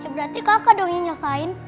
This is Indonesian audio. berarti kakak dong yang nyesain